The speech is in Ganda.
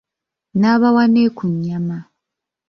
N'abawa ne ku nyama.